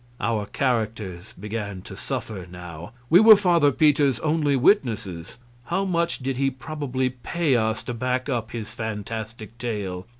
Our characters began to suffer now. We were Father Peter's only witnesses; how much did he probably pay us to back up his fantastic tale?